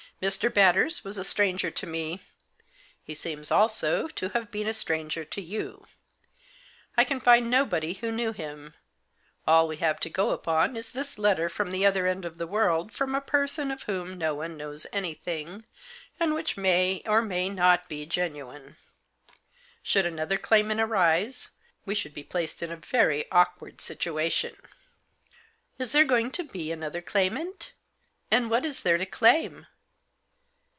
Mr. Batters was a stranger to me ; he seems, also, to have been a stranger to you ; I can find nobody who knew him. All we have to go upon is this letter from the other end of the world, from a person of whom no one knows anything, and which may or may not be Digitized by 48 THE J0S8. genuine. Should another claimant arise we should be placed in a very awkward situation." "Is there going to be another claimant? And what is there to claim